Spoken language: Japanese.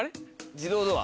自動ドア。